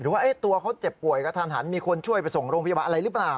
ว่าตัวเขาเจ็บป่วยกระทันหันมีคนช่วยไปส่งโรงพยาบาลอะไรหรือเปล่า